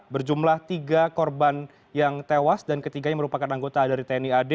berjumlah tiga korban yang tewas dan ketiganya merupakan anggota dari tni ad